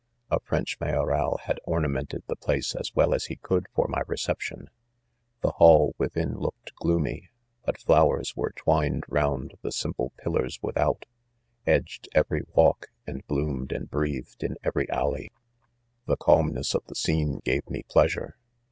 A French mayoral had ornamented the place as welias he could for my reception* — The hall within looked gloomy, but flowers were twined round the simple pillars without, edged every walk, and bloomed and breath ed in every alley* The calmness of the scene gave me pleasure